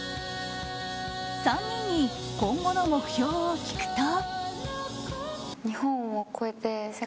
３人に今後の目標を聞くと。